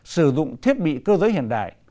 sử dụng thiết bị cơ giới hiện đại